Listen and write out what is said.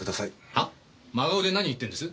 は？真顔で何言ってんです？